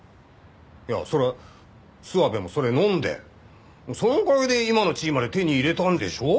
いやそれは諏訪部もそれをのんでそのおかげで今の地位まで手に入れたんでしょう？